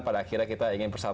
pada akhirnya kita ingin bersatu